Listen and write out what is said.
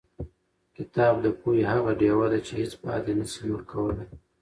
کتاب د پوهې هغه ډیوه ده چې هېڅ باد یې نشي مړ کولی.